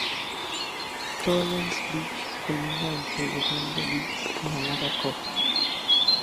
Torrance Beach colinda entre Redondo Beach y Málaga Cove.